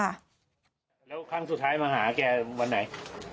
แล้วครั้งสุดท้ายมาหาแกวันไหน